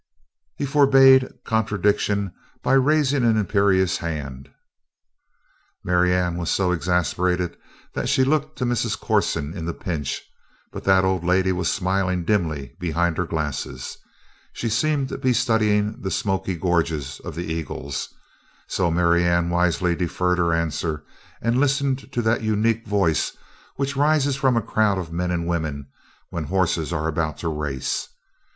He forbade contradiction by raising an imperious hand. Marianne was so exasperated that she looked to Mrs. Corson in the pinch, but that old lady was smiling dimly behind her glasses; she seemed to be studying the smoky gorges of the Eagles, so Marianne wisely deferred her answer and listened to that unique voice which rises from a crowd of men and women when horses are about to race.